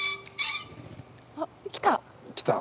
・あっ来た！